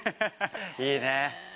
いいね。